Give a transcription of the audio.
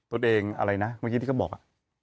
ทุกท่านเองอะไรนะเมื่อกี้ก็บอก